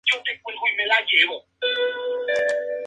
Es natural de Ciudad Real.